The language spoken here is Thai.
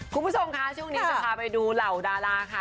คุณผู้ชมคะช่วงนี้จะพาไปดูเหล่าดาราค่ะ